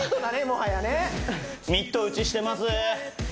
もはやねミット打ちしてます